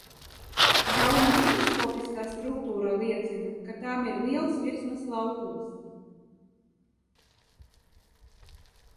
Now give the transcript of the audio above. Žaunu mikroskopiskā struktūra liecina, ka tām ir liels virsmas laukums.